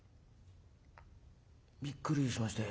「びっくりしまして。